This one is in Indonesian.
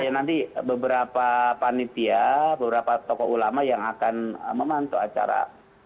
ya nanti beberapa panitia beberapa tokoh ulama yang akan memantau acara